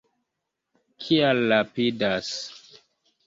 Kial rapidas?